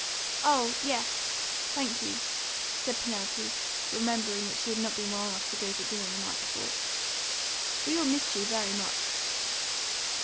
"Oh yes, thank you," said Penelope, remembering that she had not been well enough to go to dinner the night before. "We all missed you very much."